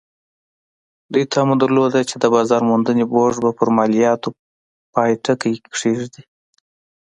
دوی تمه درلوده چې د بازار موندنې بورډ به پر مالیاتو پای ټکی کېږدي.